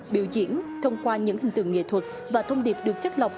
biểu diễn thông qua những hình tượng nghệ thuật và thông điệp được chất lọc